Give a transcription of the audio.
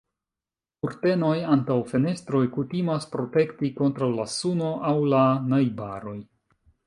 Kurtenoj antaŭ fenestroj kutimas protekti kontraŭ la suno aŭ la najbaroj.